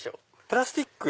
プラスチック？